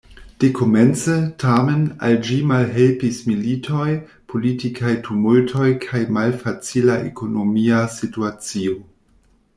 Dekomence, tamen, al ĝi malhelpis militoj, politikaj tumultoj kaj malfacila ekonomia situacio.